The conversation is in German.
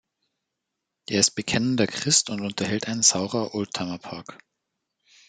Er ist bekennender Christ und unterhält einen Saurer-Oldtimerpark.